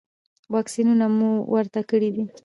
واکسینونه مو ورته کړي دي؟